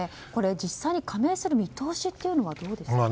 実際に加盟する見通しはどうですか。